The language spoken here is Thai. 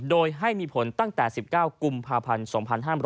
โดยให้มีผลตั้งแต่๑๙กุมภาพันธ์๒๕๖๐